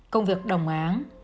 công việc đồng áng